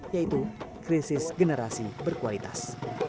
yaitu krisis generasi berkualitas